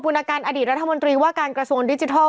คุณอาการอดีตรัฐมนตรีว่าการกระทรวงดิจิทัล